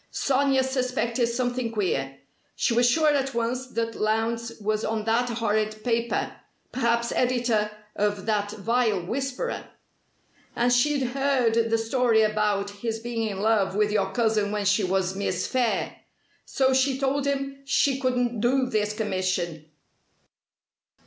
Sonia suspected something queer. She was sure at once that Lowndes was on that horrid paper perhaps editor of that vile 'Whisperer'. And she'd heard the story about his being in love with your cousin when she was Miss Phayre. So she told him she couldn't do this commission.